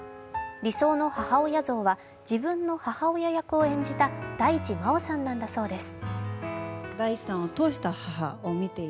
理想の母親像は自分の母親役を演じた大地真央さんなんだそうです。